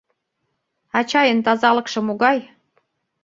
Ачайын тазалыкше могай?